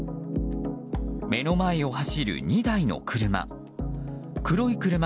目の前を走る２台の車。